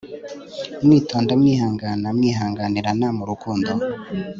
mwitonda mwihangana mwihanganirana mu rukundo